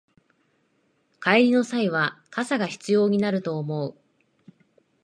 帰りの際は傘が必要になると思う